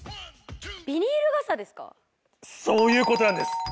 そういうことなんです！